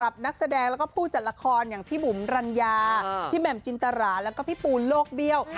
นักแสดงแล้วก็ผู้จัดละครอย่างพี่บุ๋มรัญญาพี่แหม่มจินตราแล้วก็พี่ปูนโลกเบี้ยว